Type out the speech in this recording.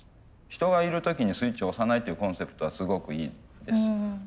人がいる時にスイッチを押さないというコンセプトはすごくいいです。